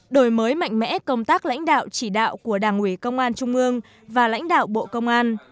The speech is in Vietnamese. đổi mới mạnh mẽ công tác lãnh đạo chỉ đạo của đảng ủy công an trung ương và lãnh đạo bộ công an